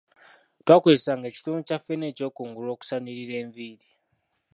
Twakozesanga ekitundu kya ffene ekyokungulu okusanirira enviiri.